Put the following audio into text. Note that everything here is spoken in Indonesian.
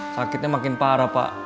sakitnya makin parah pak